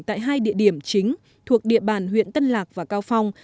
tại hai địa điểm chính thuộc địa bàn huyện tân lạc và cao phong